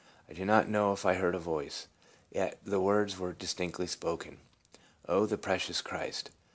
I do not know if I heard a voice, yet the words were distinctly spoken. Oh, the precious Christ